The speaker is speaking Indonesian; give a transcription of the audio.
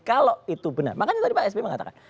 kalau itu benar makanya tadi pak sby mengatakan